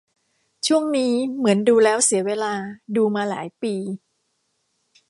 ช่วงนี้เหมือนดูแล้วเสียเวลาดูมาหลายปี